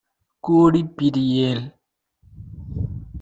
கூடிப் பிரியேல்.